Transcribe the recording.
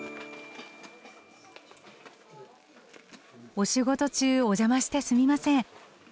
お仕事中お邪魔してすみません。